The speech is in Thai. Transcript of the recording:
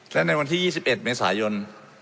และในวันที่๒๑เมษายน